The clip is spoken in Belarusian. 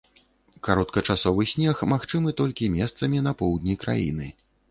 Кароткачасовы снег магчымы толькі месцамі на поўдні краіны.